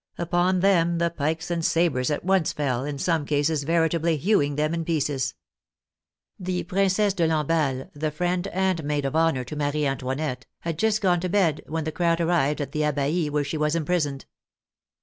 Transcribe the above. Upon them the pikes and sabres at once fell, in some cases veritably hewing them in pieces. The Princesse de Lamballe, the friend and maid of honor to Marie Antoinette, had just gone to bed when the crowd arrived at the Abbaye where she was imprisoned.